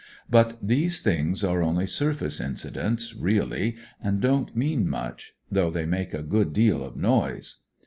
But these things are only surface incidents, really, and don't mean much, though they make a good deal of noise.